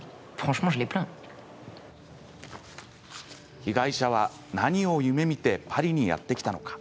被害者は何を夢みてパリにやって来たのか。